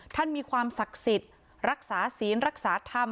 มีความศักดิ์สิทธิ์รักษาศีลรักษาธรรม